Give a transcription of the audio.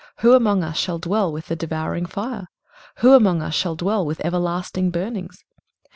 Who among us shall dwell with the devouring fire? who among us shall dwell with everlasting burnings?